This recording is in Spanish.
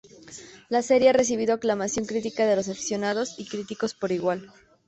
La serie ha recibido aclamación crítica de los aficionados y críticos por igual.